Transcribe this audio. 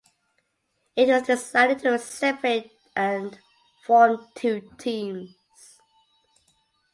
It was decided to separate and form two teams.